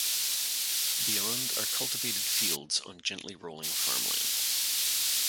Beyond are cultivated fields on gently rolling farmland.